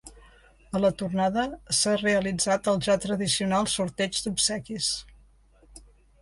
A la tornada s’ha realitzat el ja tradicional sorteig d’obsequis.